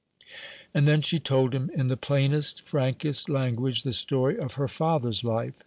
And then she told him, in the plainest frankest language, the story of her father's life.